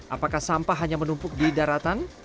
apakah sampah hanya menumpuk di daratan